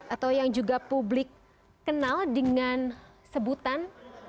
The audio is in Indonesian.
atau yang juga publik kenal dengan sebutan